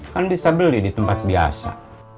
kan bisa beli di tempat biasa